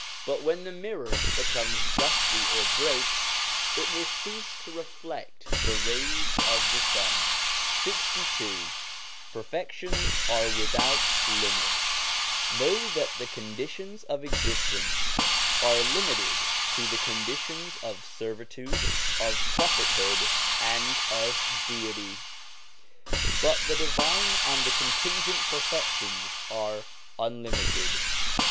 But when the mirror becomes dusty or breaks, it will cease to reflect the rays of the sun. LXII PERFECTIONS ARE WITHOUT LIMIT KNOW that the conditions of existence are limited to the conditions of servitude, of prophethood, and of Deity; but the divine and the contingent perfections are unlimited.